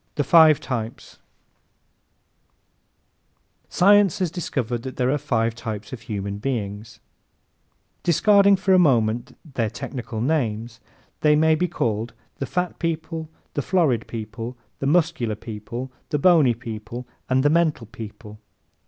The Five Types ¶ Science has discovered that there are five types of human beings. Discarding for a moment their technical names, they may be called the fat people, the florid people, the muscular people, the bony people and the mental people.